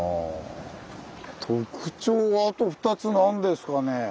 特徴はあと２つ何ですかね。